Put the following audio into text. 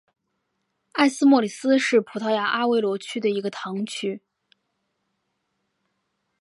埃斯莫里斯是葡萄牙阿威罗区的一个堂区。